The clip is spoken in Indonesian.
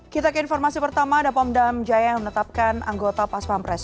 kita ke informasi pertama ada pomdam jaya yang menetapkan anggota pas pampres